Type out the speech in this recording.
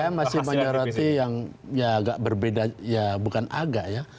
saya masih menyoroti yang ya agak berbeda ya bukan agak ya